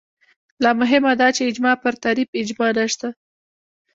لا مهمه دا چې اجماع پر تعریف اجماع نشته